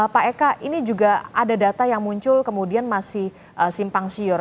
pak eka ini juga ada data yang muncul kemudian masih simpang siur